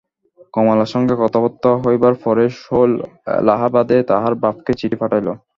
কমলার সঙ্গে কথাবার্তা হইবার পরেই শৈল এলাহাবাদে তাহার বাপকে চিঠি পাঠাইল।